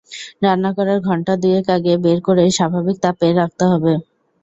রান্না করার ঘণ্টা দুয়েক আগে বের করে স্বাভাবিক তাপে রাখতে হবে।